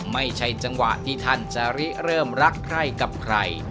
ไม่ใช่จังหวะที่ท่านจะริเริ่มรักใครกับใคร